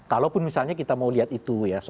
kalaupun misalnya kita mau lihat itu ya